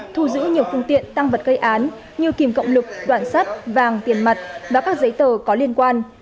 thu giữ nhiều phương tiện tăng vật gây án như kìm cộng lực đoạn sắt vàng tiền mặt và các giấy tờ có liên quan